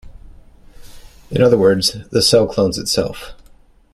In other words, the cell clones itself.